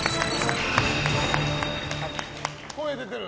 声出てる。